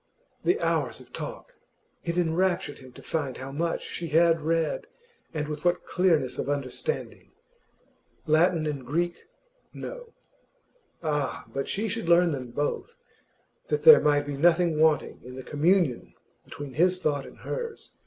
The hours of talk! It enraptured him to find how much she had read, and with what clearness of understanding. Latin and Greek, no. Ah! but she should learn them both, that there might be nothing wanting in the communion between his thought and hers.